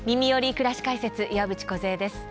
くらし解説」岩渕梢です。